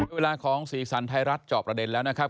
เวลาของสีสันไทยรัฐจอบประเด็นแล้วนะครับ